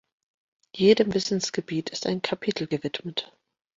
Jedem Wissensgebiet ist ein Kapitel gewidmet.